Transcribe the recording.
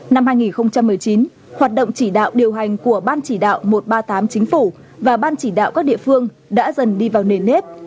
năm hai nghìn một mươi chín hoạt động chỉ đạo điều hành của ban chỉ đạo một trăm ba mươi tám chính phủ và ban chỉ đạo các địa phương đã dần đi vào nền nếp